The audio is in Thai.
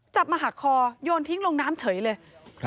มาหักคอโยนทิ้งลงน้ำเฉยเลย